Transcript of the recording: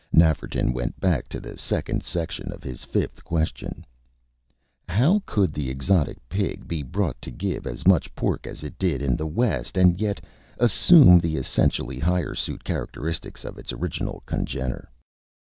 Nafferton went back to the second section of his fifth question. How could the exotic Pig be brought to give as much pork as it did in the West and yet "assume the essentially hirsute characteristics of its oriental congener?"